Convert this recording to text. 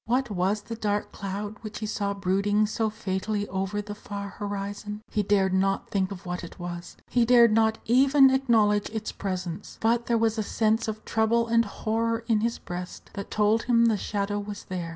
What was the dark cloud which he saw brooding so fatally over the far horizon? He dared not think of what it was he dared not even acknowledge its presence; but there was a sense of trouble and horror in his breast that told him the shadow was there.